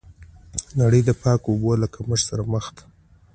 نړۍ د پاکو اوبو له کمښت سره مخ ده.